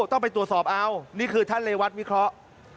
ต้องไปตรวจสอบเอานี่คือท่านเรวัตวิเคราะห์